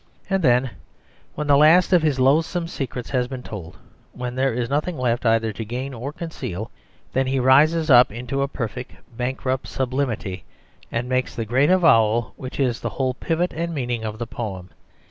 And then, when the last of his loathsome secrets has been told, when he has nothing left either to gain or to conceal, then he rises up into a perfect bankrupt sublimity and makes the great avowal which is the whole pivot and meaning of the poem.